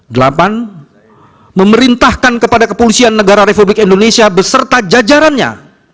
delapan memerintahkan kepada kepolisian negara republik indonesia beserta jajarannya